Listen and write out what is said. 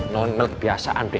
nonmel kebiasaan deh